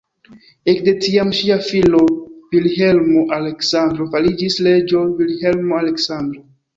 Ekde tiam ŝia filo Vilhelmo-Aleksandro fariĝis reĝo Vilhelmo-Aleksandro.